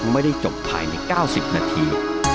ไม่ได้จบภายในเก้าสิบนาที